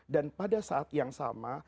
dan pada saat yang sama